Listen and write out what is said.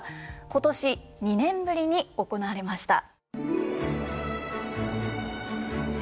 今年２年ぶりに行われました。